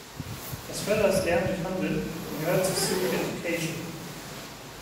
Es fördert das Lernen durch Handeln und gehört zur Civic Education.